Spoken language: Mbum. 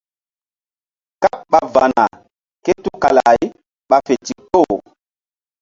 Káɓ ɓa va̧na ké tukala-ay ɓa fe ndikpo.